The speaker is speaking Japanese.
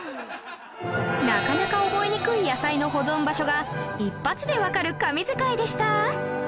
なかなか覚えにくい野菜の保存場所が一発でわかる神図解でした